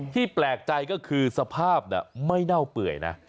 แปลกใจก็คือสภาพไม่เน่าเปื่อยนะ